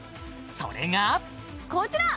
それがこちら！